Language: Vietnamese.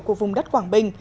của vùng đất quảng bình